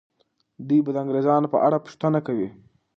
دوی به د انګریزانو په اړه پوښتنه کوي.